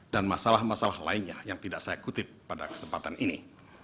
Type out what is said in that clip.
dan masalah masalah lainnya yang tidak saya kutip pada kesempatan ini